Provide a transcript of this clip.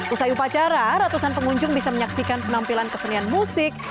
usai upacara ratusan pengunjung bisa menyaksikan penampilan kesenian musik